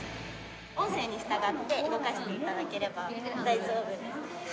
音声に従って動かして頂ければ大丈夫です。